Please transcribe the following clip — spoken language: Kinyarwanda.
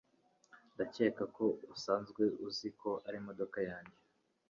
Ndakeka ko usanzwe uzi ko arimodoka yanjye.